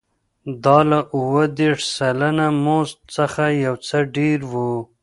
دا له اووه دېرش سلنه مزد څخه یو څه ډېر و